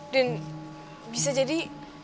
dan bisa jadi